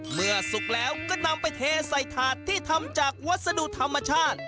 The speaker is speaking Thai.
สุกแล้วก็นำไปเทใส่ถาดที่ทำจากวัสดุธรรมชาติ